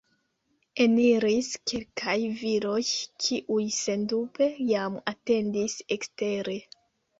Eniris kelkaj viroj, kiuj sendube jam atendis ekstere.